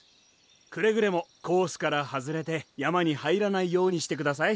くれぐれもコースから外れて山に入らないようにしてください。